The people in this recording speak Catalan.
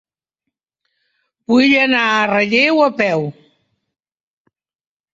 Vull anar a Relleu a peu.